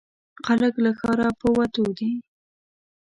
خلک له ښاره په وتو دي.